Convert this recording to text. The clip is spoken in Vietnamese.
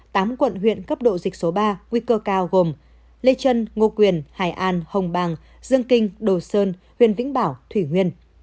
tám quận huyện cấp độ dịch số ba nguy cơ cao gồm lê trân ngô quyền hải an hồng bàng dương kinh đồ sơn huyền vĩnh bảo thủy nguyên